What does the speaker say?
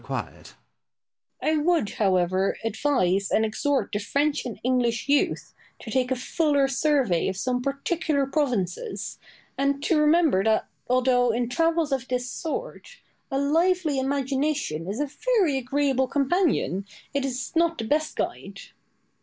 I would, however, advise and exhort the French and English youth to take a fuller survey of some particular provinces, and to remember that although, in travels of this sort, a lively imagination is a very agreeable companion, it is not the best guide.